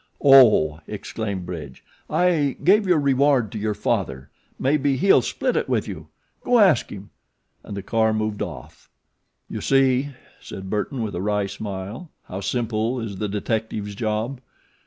"Oh!" exclaimed Bridge. "I gave your reward to your father maybe he'll split it with you. Go ask him." And the car moved off. "You see," said Burton, with a wry smile, "how simple is the detective's job.